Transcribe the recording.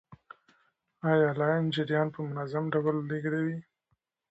آیا لین جریان په منظم ډول لیږدوي؟